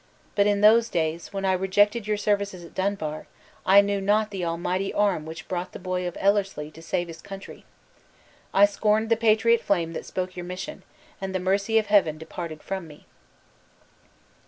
But in those days, when I rejected your services at Dunbar, I knew not the Almighty arm which brought the boy of Ellerslie to save his country! I scorned the patriot flame that spoke your mission, and the mercy of Heaven departed from me!"